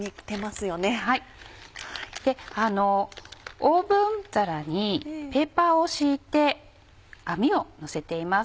オーブン皿にペーパーを敷いて網をのせています。